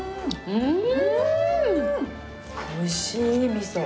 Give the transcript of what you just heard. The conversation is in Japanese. うん！